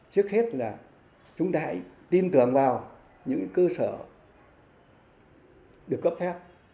trước hết là chúng ta hãy tin tưởng vào những cơ sở được cấp phép